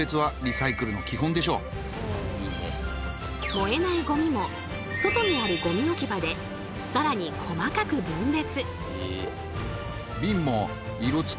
燃えないゴミも外にあるゴミ置き場で更にこまかく分別。